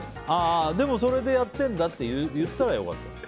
でもそれでやってるんだって言ったらよかったのに。